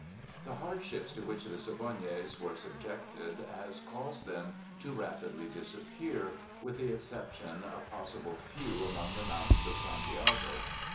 The hardships to which the Siboneyes were subjected has caused them to rapidly disappear, with the exception a possible few among the mountains of Santiago.